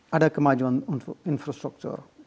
ada kemajuan infrastruktur